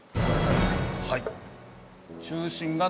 はい。